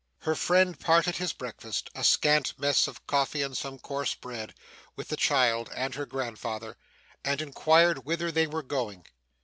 Her friend parted his breakfast a scanty mess of coffee and some coarse bread with the child and her grandfather, and inquired whither they were going.